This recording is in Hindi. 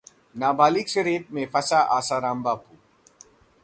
नाबालिग से रेप में फंसे आसाराम बापू